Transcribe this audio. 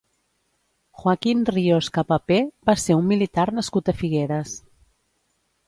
Joaquín Ríos Capapé va ser un militar nascut a Figueres.